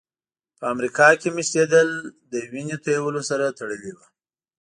په امریکا کې مېشتېدل له وینې تویولو سره تړلي وو.